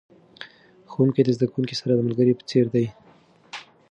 ښوونکي د زده کوونکو سره د ملګري په څیر دي.